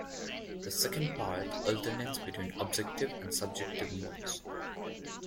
The second part alternates between objective and subjective modes.